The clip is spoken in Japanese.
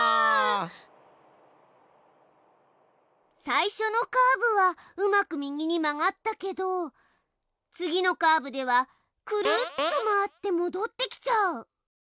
最初のカーブはうまく右に曲がったけど次のカーブではくるっと回ってもどってきちゃう！